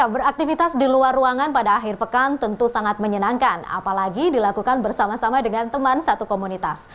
beraktivitas di luar ruangan pada akhir pekan tentu sangat menyenangkan apalagi dilakukan bersama sama dengan teman satu komunitas